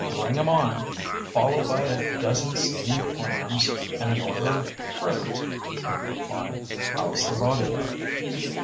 "Bring 'em on, followed by a dozen steamed clams and an order of fritters," Rick replied. "How's the bodyguard?"